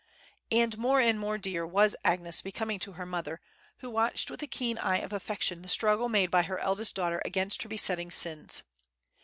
And more and more dear was Agnes becoming to her mother, who watched with the keen eye of affection the struggle made by her eldest daughter against her besetting sins.